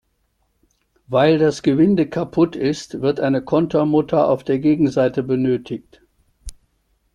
Weil das Gewinde kaputt ist, wird eine Kontermutter auf der Gegenseite benötigt.